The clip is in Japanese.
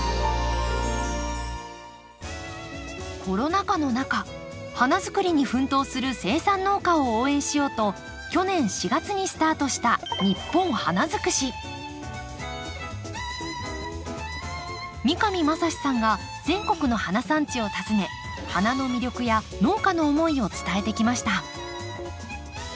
コロナ禍の中花づくりに奮闘する生産農家を応援しようと去年４月にスタートした三上真史さんが全国の花産地を訪ね花の魅力や農家の思いを伝えてきました。